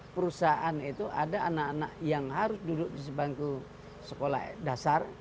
perusahaan itu ada anak anak yang harus duduk di sebangku sekolah dasar